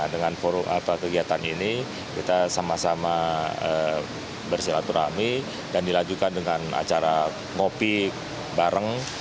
dengan kegiatan ini kita sama sama bersilaturahmi dan dilanjutkan dengan acara ngopi bareng